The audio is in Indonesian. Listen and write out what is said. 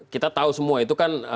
kita tahu semua itu kan